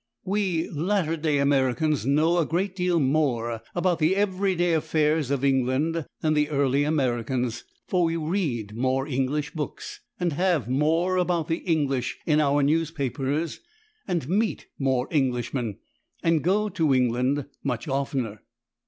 We latter day Americans know a great deal more about the everyday affairs of England than the early Americans, for we read more English books, and have more about the English in our newspapers, and meet more Englishmen, and go to England much oftener.